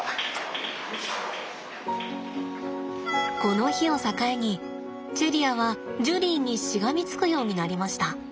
この日を境にチェリアはジュリーにしがみつくようになりました。